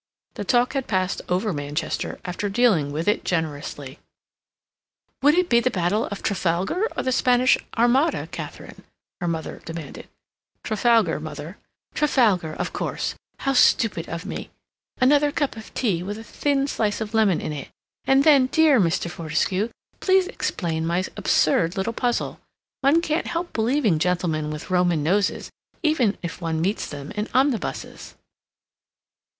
The talk had passed over Manchester, after dealing with it very generously. "Would it be the Battle of Trafalgar or the Spanish Armada, Katharine?" her mother demanded. "Trafalgar, mother." "Trafalgar, of course! How stupid of me! Another cup of tea, with a thin slice of lemon in it, and then, dear Mr. Fortescue, please explain my absurd little puzzle. One can't help believing gentlemen with Roman noses, even if one meets them in omnibuses."